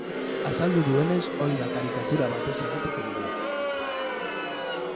Azaldu duenez, hori da karikatura bat ez egiteko bidea.